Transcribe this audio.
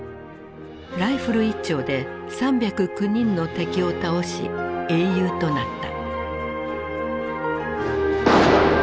ライフル１丁で３０９人の敵を倒し英雄となった。